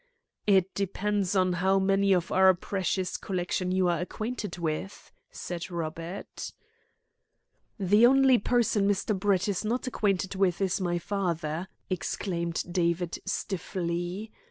"It depends on how many of our precious collection you are acquainted with," said Robert. "The only person Mr. Brett is not acquainted with is my father," exclaimed David stiffly.